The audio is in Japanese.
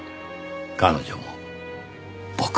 彼女も僕も。